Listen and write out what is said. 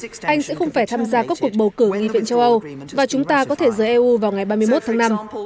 chúng ta sẽ không phải tham gia các cuộc bầu cử nghi viện châu âu và chúng ta có thể rời eu vào ngày ba mươi một tháng năm